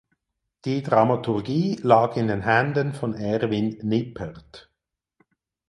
Die Dramaturgie lag in den Händen von Erwin Nippert.